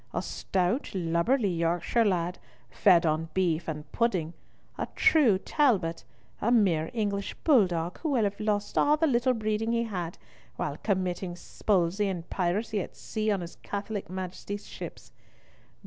A stout lubberly Yorkshire lad, fed on beef and pudding, a true Talbot, a mere English bull dog who will have lost all the little breeding he had, while committing spulzie and piracy at sea on his Catholic Majesty's ships.